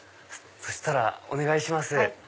そしたらお願いします。